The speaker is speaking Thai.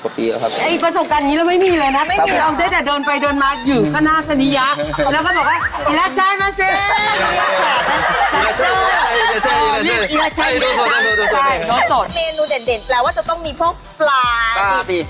ปลาอะไรบ้างคะ